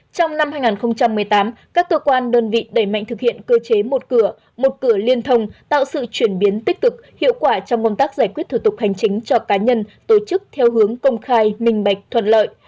trong năm hai nghìn một mươi tám các cơ quan đơn vị đẩy mạnh thực hiện cơ chế một cửa một cửa liên thông tạo sự chuyển biến tích cực hiệu quả trong công tác giải quyết thủ tục hành chính cho cá nhân tổ chức theo hướng công khai minh bạch thuận lợi